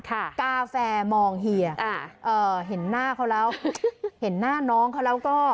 กาแฟมองเฮียอ่าเอ่อเห็นหน้าเขาแล้วเห็นหน้าน้องเขาแล้วก็